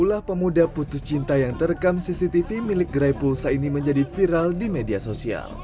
ulah pemuda putus cinta yang terekam cctv milik gerai pulsa ini menjadi viral di media sosial